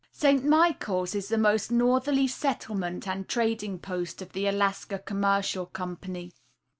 St. Michaels is the most northerly settlement and trading post of the Alaska Commercial Company.